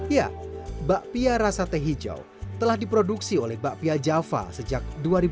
ya bakpia rasa teh hijau telah diproduksi oleh bakpia java sejak dua ribu dua